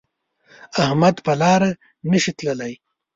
احمد په لاره نشي تللی